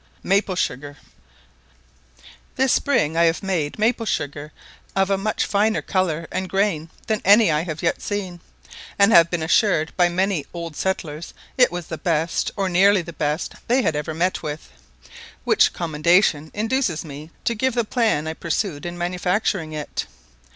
] MAPLE SUGAR. THIS spring I have made maple sugar of a much finer colour and grain than any I have yet seen; and have been assured by many old settlers it was the best, or nearly the best, they had ever met with: which commendation induces me to give the plan I pursued in manufacturing it.